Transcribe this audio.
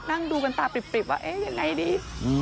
คือถูกตอบหึดว่าเนี่ยงังไงดี